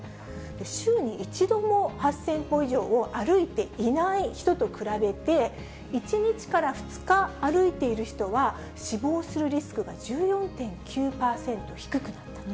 週に一度も８０００歩以上を歩いていない人と比べて、１日から２日歩いている人は、死亡するリスクが１４．９％低くなったと。